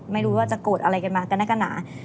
ไม่รู้ว่าจะโกรธอะไรกันมากันแน่กันหนา